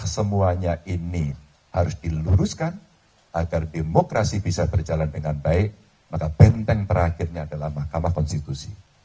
semuanya ini harus diluruskan agar demokrasi bisa berjalan dengan baik maka benteng terakhirnya adalah mahkamah konstitusi